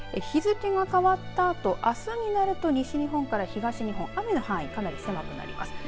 日付が変わったあとあすになると西日本から東日本雨の範囲がかなり狭くなります。